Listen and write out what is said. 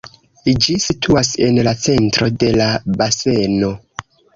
Ĝi situas en la centro de la baseno.